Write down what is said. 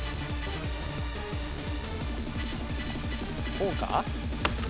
こうか？